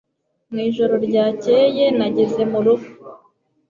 Mwijoro ryakeye nageze murugo.